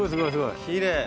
きれい。